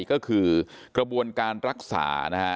ก็คือกระบวนการรักษา